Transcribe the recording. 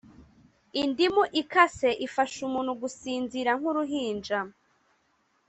Indimu ikase ifasha umuntu gusinzira nk’uruhinja